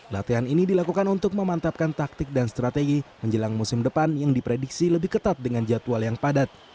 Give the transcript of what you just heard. latihan ini dilakukan untuk memantapkan taktik dan strategi menjelang musim depan yang diprediksi lebih ketat dengan jadwal yang padat